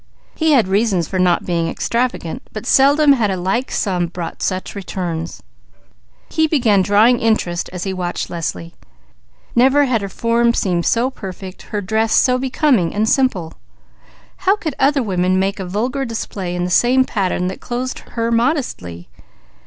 He had reasons for not being extravagant; but seldom had a like sum brought such returns. He began drawing interest as he watched Leslie. Never had her form seemed so perfect, her dress so becoming and simple. How could other women make a vulgar display in the same pattern that clothed her modestly?